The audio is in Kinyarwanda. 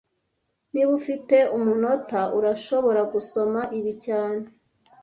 Niba ufite umunota, urashobora gusoma ibi cyane